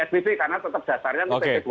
tetap psbb karena tetap dasarnya